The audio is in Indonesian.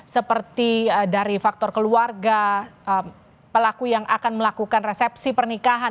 seperti dari faktor keluarga pelaku yang akan melakukan resepsi pernikahan